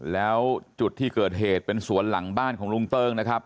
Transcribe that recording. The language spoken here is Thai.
แล้วจุดที่เกิดเหตุเป็นสวนหลังบ้านของลุงเติ้งนะครับ